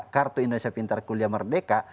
kartu indonesia pintar kuliah merdeka